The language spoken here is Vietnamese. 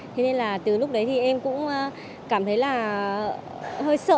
thế nên là từ lúc đấy thì em cũng cảm thấy là hơi sợ